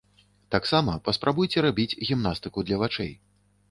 Таксама паспрабуйце рабіць гімнастыку для вачэй.